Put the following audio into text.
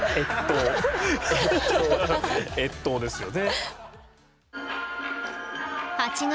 越冬ですよね。